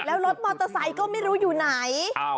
แล้วรถมอเตอร์ไซค์ก็ไม่รู้อยู่ไหน